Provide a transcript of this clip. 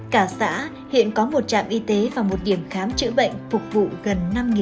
cả xã hiện có một trạm y tế và một điểm khám chữa bệnh phục vụ gần năm người